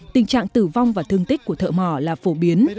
tình trạng tử vong và thương tích của thợ mỏ là phổ biến